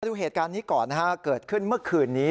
ดูเหตุการณ์นี้ก่อนนะฮะเกิดขึ้นเมื่อคืนนี้